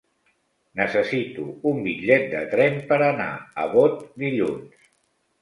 Necessito un bitllet de tren per anar a Bot dilluns.